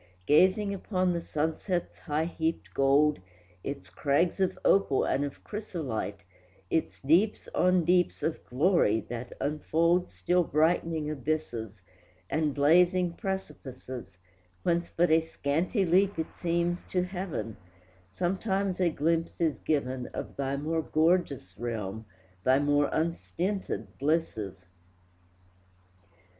Gazing upon the sunset's high heaped gold, Its crags of opal and of chrysolite, Its deeps on deeps of glory, that unfold Still brightening abysses, And blazing precipices, Whence but a scanty leap it seems to heaven, Sometimes a glimpse is given Of thy more gorgeous realm, thy more unstinted blisses.